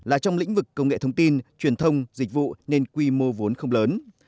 là trong lĩnh vực công nghệ thông tin truyền thông dịch vụ nên quy mô vốn không lớn